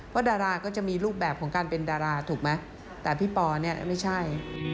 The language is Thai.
ดาราก็จะมีรูปแบบของการเป็นดาราถูกไหมแต่พี่ปอเนี่ยไม่ใช่